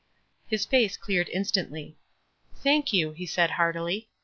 '' His face cleared instantly. "Thank you," he said, heartily.